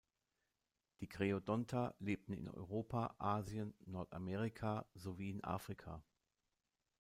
Die Creodonta lebten in Europa, Asien, Nordamerika sowie in Afrika.